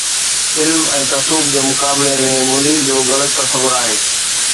علم ۽ تصوف جي مقابلي ۾ منبر جو غلط تصور آهي